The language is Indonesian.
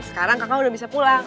sekarang kakak udah bisa pulang